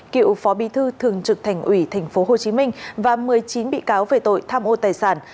cựu phó bí thư thường trực thành ủy tp hcm và một mươi chín bị cáo về tội tham ô tài sản